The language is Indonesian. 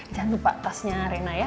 jangan lupa tasnya rena ya